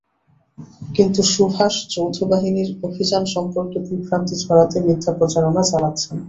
কিন্তু সুভাষ যৌথ বাহিনীর অভিযান সম্পর্কে বিভ্রান্তি ছড়াতে মিথ্যা প্রচারণা চালাচ্ছেন।